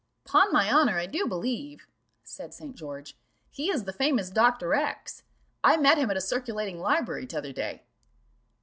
"'Pon honour, I do believe," said St. George, "he is the famous Dr. X ; I met him at a circulating library t'other day."